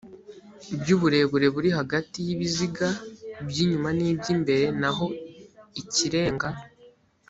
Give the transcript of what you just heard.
by uburebure buri hagati y ibiziga by inyuma n iby imbere naho ikirenga